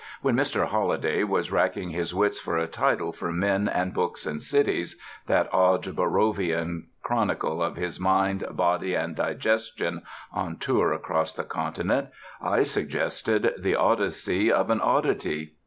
When Mr. Holliday was racking his wits for a title for Men and Books and Cities (that odd Borrovian chronicle of his mind, body and digestion on tour across the continent) I suggested The Odyssey of an Oddity.